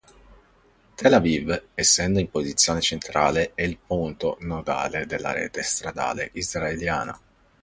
Tel Aviv, essendo in posizione centrale, è il punto nodale della rete stradale israeliana.